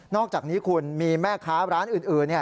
อกจากนี้คุณมีแม่ค้าร้านอื่น